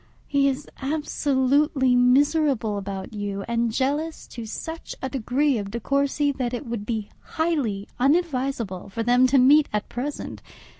He is absolutely miserable about you, and jealous to such a degree of De Courcy that it would be highly unadvisable for them to meet at present.